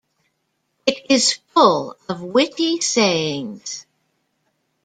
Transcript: It is full of witty sayings.